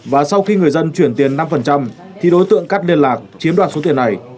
và sau khi người dân chuyển tiền năm thì đối tượng cắt liên lạc chiếm đoạt số tiền này